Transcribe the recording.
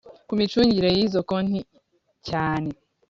ku micungire y izo konti cyane